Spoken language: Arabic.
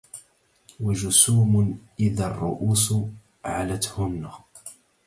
وجسوم إذا الرؤوس علتهن